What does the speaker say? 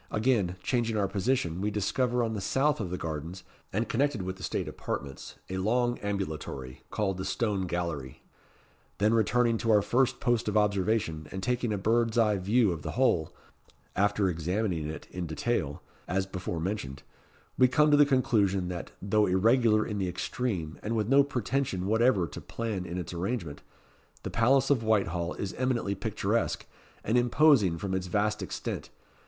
Again changing our position, we discover, on the south of the gardens, and connected with the state apartments, a long ambulatory, called the Stone Gallery. Then returning to our first post of observation, and taking a bird's eye view of the whole, after examining it in detail, as before mentioned, we come to the conclusion, that, though irregular in the extreme, and with no pretension whatever to plan in its arrangement, the Palace of Whitehall is eminently picturesque, and imposing from its vast extent.